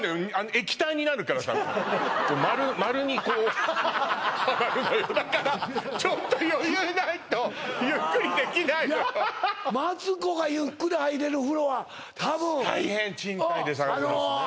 液体になるからさ丸にこうはまるのよだからちょっと余裕ないとゆっくりできないのマツコがゆっくり入れる風呂は多分大変賃貸で探すのうん